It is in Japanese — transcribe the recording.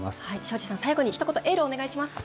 庄司さん、最後にひと言エールをお願いします！